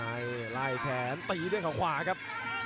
ท่านลายแผนตลีด้วยรองขาครับ